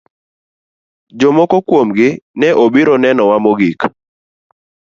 Jomoko kuomgi ne obiro nenowa mogik.